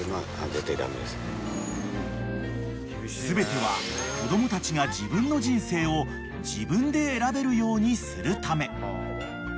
［全ては子供たちが自分の人生を自分で選べるようにするため］